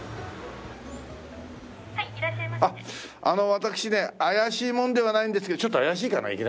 あの私ね怪しい者ではないんですけどちょっと怪しいかな？